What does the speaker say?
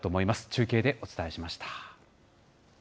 中継でお伝えしました。